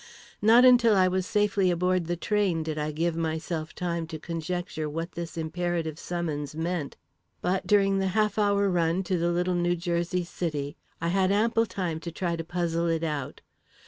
Not until I was safely aboard the train did I give myself time to conjecture what this imperative summons meant, but during the half hour run to the little New Jersey city, I had ample time to try to puzzle it out.